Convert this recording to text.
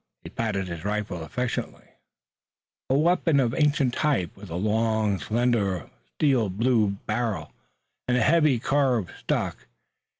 He patted his rifle affectionately, a weapon of ancient type, with a long slender barrel of blue steel, and a heavy carved stock.